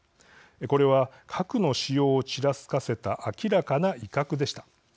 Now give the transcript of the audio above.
これは、核の使用をちらつかせた明らかな威嚇でした。